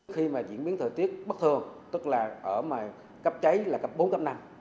khi mà diễn biến thời tiết bất thường tức là ở cấp cháy là cấp bốn cấp năm